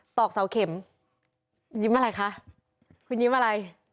ตอกเสาเข็มยิ้มอะไรคะคุณยิ้มอะไร